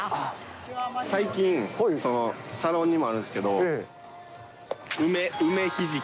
最近、サロンにもあるんですけれども、梅ひじき。